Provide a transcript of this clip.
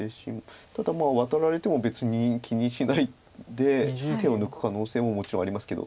ただワタられても別に気にしないで手を抜く可能性ももちろんありますけど。